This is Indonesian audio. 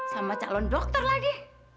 sama calon dokter lagi